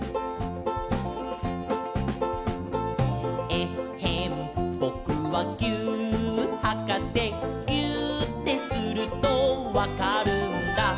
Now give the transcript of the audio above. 「えっへんぼくはぎゅーっはかせ」「ぎゅーってするとわかるんだ」